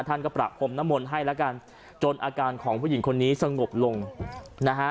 ท่านก็ประพรมน้ำมนต์ให้แล้วกันจนอาการของผู้หญิงคนนี้สงบลงนะฮะ